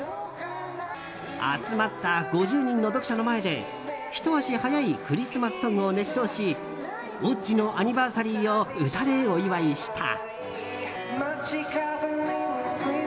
集まった５０人の読者の前でひと足早いクリスマスソングを熱唱し「Ｏｇｇｉ」のアニバーサリーを歌でお祝いした。